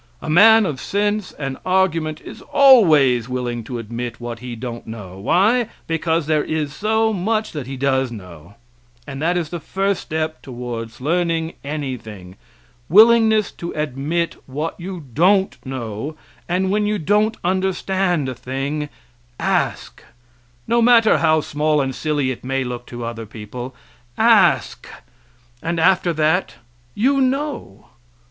A man of sense and argument is always willing to admit what he don't know why? because there is so much that he does know; and that is the first step towards learning anything willingness to admit what you don't know and when you don't understand a thing, ask no matter how small and silly it may look to other people ask, and after that you know.